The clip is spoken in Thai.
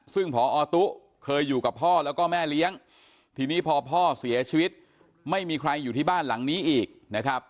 ซึ่งพอตุ๊เคยอยู่กับพ่อแล้วก็แม่เลี้ยงทีนี้พอพ่อเสียชีวิตไม่มีใครอยู่ที่บ้านหลังนี้อีกนะครับ